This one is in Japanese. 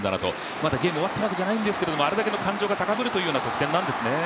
まだゲームが終わったわけじゃないんですけど、あれだけ感情が高ぶる得点なんですね。